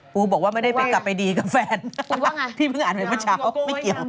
ปูบอกว่าไม่ได้ไปกลับไปดีกับแฟนพี่เพิ่งอ่านไปเมื่อเช้าไม่เกี่ยว